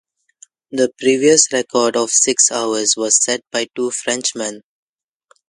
The previous record of six hours was set by two Frenchmen.